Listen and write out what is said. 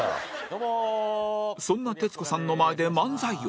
そんな徹子さんの前で漫才を